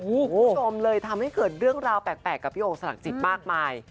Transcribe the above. คุณผู้ชมเลยทำให้เกิดเรื่องราวแปลกกับพี่โอ่งสลักจิตมากมาย